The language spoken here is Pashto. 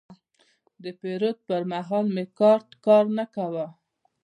د پیرود پر مهال مې کارت کار نه کاوه.